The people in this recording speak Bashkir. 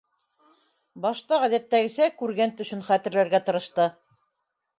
Башта, ғәҙәттәгесә, күргән төшөн хәтерләргә тырышты.